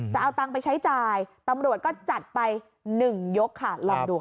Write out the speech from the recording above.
จะเอาตังค์ไปใช้จ่ายตำรวจก็จัดไป๑ยกค่ะลองดูค่ะ